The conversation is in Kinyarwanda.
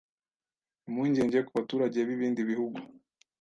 Impungenge ku baturage b'ibindi bihugu